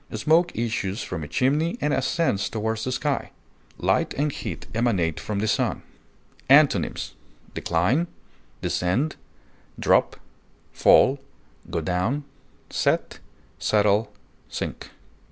Smoke issues from a chimney and ascends toward the sky. Light and heat emanate from the sun. Antonyms: decline, descend, drop, fall, go down, set, settle, sink.